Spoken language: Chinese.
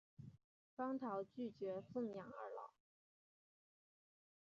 双桃拒绝奉养二老。